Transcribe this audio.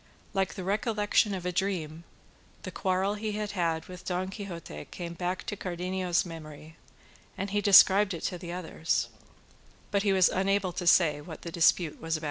Like the recollection of a dream, the quarrel he had had with Don Quixote came back to Cardenio's memory, and he described it to the others; but he was unable to say what the dispute was about.